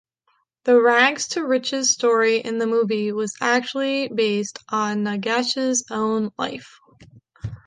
The rags-to-riches story in the movie was actually based on Nagesh's own life.